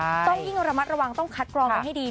ต้องยิ่งระมัดระวังต้องคัดกรองกันให้ดี